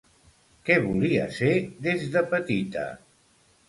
Què volia ser des de petita?